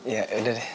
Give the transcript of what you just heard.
ya udah deh